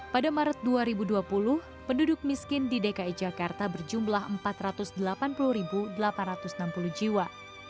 pada maret dua ribu dua puluh penduduk miskin di dki jakarta berjumlah empat ratus delapan puluh delapan ratus enam puluh jiwa